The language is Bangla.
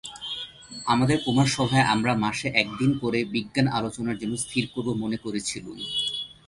আমাদের কুমারসভায় আমরা মাসে একদিন করে বিজ্ঞান-আলোচনার জন্যে স্থির করব মনে করেছিলুম।